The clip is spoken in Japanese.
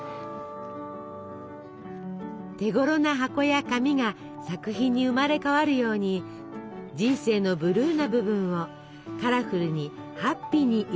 手ごろな箱や紙が作品に生まれ変わるように人生のブルーな部分をカラフルにハッピーに彩る方法はいくらでもある。